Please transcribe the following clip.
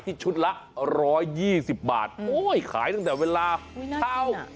ที่ชุดละร้อยยี่สิบบาทโอ้ยขายตั้งแต่เวลาเนื้อกินอ่ะ